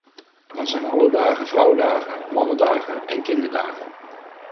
Dan zijn alle dagen vrouwendagen, mannendagen en kinderdagen.